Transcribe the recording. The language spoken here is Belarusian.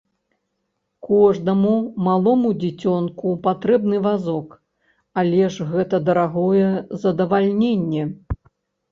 Кожнаму малому дзіцёнку патрэбны вазок, але ж гэта дарагое задавальненне.